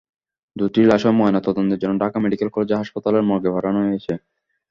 দুটি লাশই ময়নাতদন্তের জন্য ঢাকা মেডিকেল কলেজ হাসপাতালের মর্গে পাঠানো হয়েছে।